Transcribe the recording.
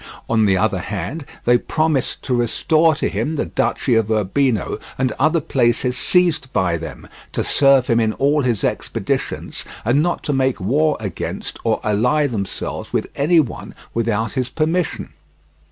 On the other hand, they promised to restore to him the duchy of Urbino and other places seized by them, to serve him in all his expeditions, and not to make war against or ally themselves with any one without his permission.